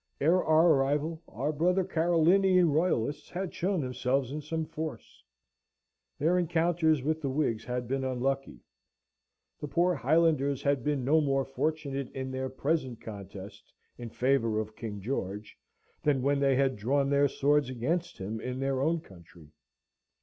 Ere our arrival, our brother Carolinian Royalists had shown themselves in some force. Their encounters with the Whigs had been unlucky. The poor Highlanders had been no more fortunate in their present contest in favour of King George, than when they had drawn their swords against him in their own country.